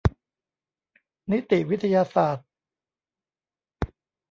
นิติวิทยาศาสตร์